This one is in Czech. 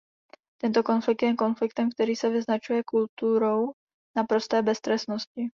Tento konflikt je konfliktem, který se vyznačuje kulturou naprosté beztrestnosti.